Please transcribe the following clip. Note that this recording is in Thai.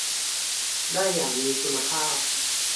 ได้อย่างมีคุณภาพ